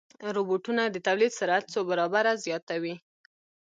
روبوټونه د تولید سرعت څو برابره زیاتوي.